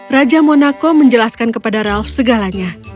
raja monaco menjelaskan kepada ralf segalanya